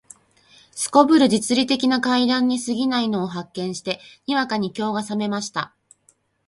頗る実利的な階段に過ぎないのを発見して、にわかに興が覚めました